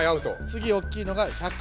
つぎ大きいのが１００円。